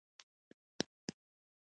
او ايوانوف ماته وساته.